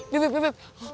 beb beb beb